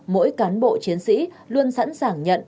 mỗi cán bộ chiến sĩ luôn sẵn sàng nhận